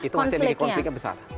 ya itu yang berarti konfliknya besar